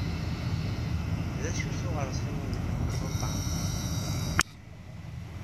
D acu-t uɣersiw-nnem n ututam?